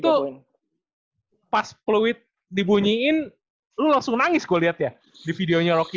itu pas fluid dibunyiin lo langsung nangis gue liat ya di videonya rocky ya